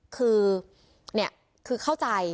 คือนี่คือเข้าใจ